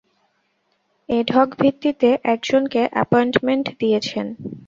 Ad hoc ভিত্তিতে একজনকে appointment দিয়েছেন।